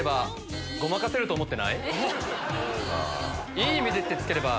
「いい意味で」って付ければ